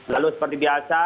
lalu seperti biasa